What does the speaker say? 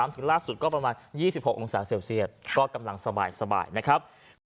ถึงล่าสุดก็ประมาณ๒๖องศาเซลเซียตก็กำลังสบายนะครับ